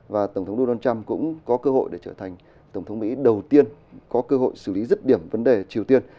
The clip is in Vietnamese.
và tổng thống donald trump cũng có cơ hội để trở thành tổng thống mỹ đầu tiên có cơ hội xử lý rứt điểm vấn đề triều tiên